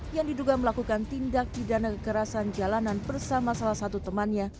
yang diduga melakukan tindak pidana kekerasan jalanan bersama salah satu temannya